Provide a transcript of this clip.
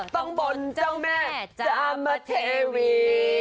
ต้องบ่นเจ้าแม่จามเทวี